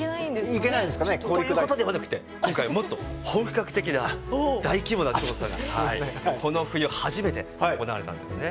行けないんですかね。ということではなくて今回はもっと本格的な大規模な調査がこの冬初めて行われたんですね。